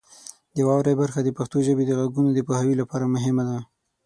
د واورئ برخه د پښتو ژبې د غږونو د پوهاوي لپاره مهمه ده.